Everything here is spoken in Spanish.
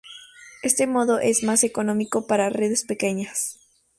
Este modo es más económico para redes pequeñas.